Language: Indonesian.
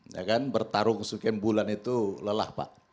ya kan bertarung sekian bulan itu lelah pak